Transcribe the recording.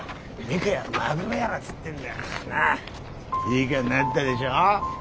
いい顔なったでしょう？